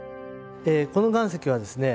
この岩石はですね